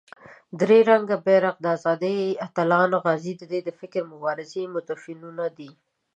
درې رنګه بېرغ، د آزادۍ اتلان، غازیان دده د فکري مبارزې موتیفونه دي.